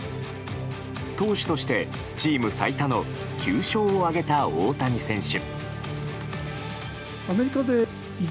投手としてチーム最多の９勝を挙げた大谷選手。